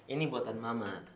ini buatan mama